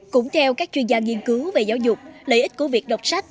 cũng theo các chuyên gia nghiên cứu về giáo dục lợi ích của việc đọc sách